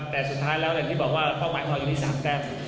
แต่สุดท้ายแล้วเหลือที่บอกว่าต้องหมายความหล่ออยู่ที่๓แจ้ม